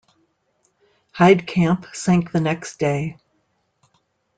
"Heidkamp" sank the next day.